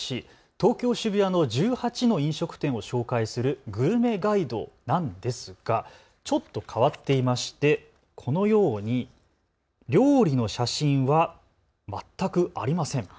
東京渋谷の１８の飲食店を紹介するグルメガイドなんですがちょっと変わっていましてこのように料理の写真は全くありません。